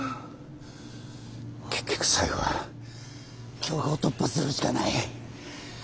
結局最後は強行突破するしかない。